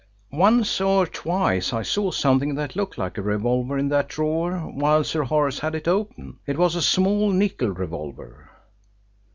"Once or twice I saw something that looked like a revolver in that drawer while Sir Horace had it open. It was a small nickel revolver."